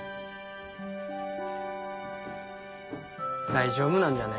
大丈夫なんじゃね？